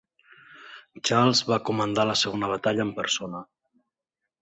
Charles va comandar la segona batalla en persona.